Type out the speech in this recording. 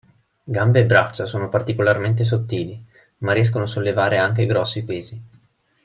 Gambe e braccia sono particolarmente sottili, ma riescono a sollevare anche grossi pesi.